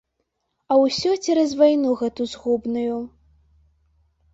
А ўсё цераз вайну гэту згубную.